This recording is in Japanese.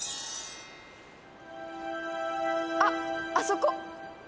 あっあそこ！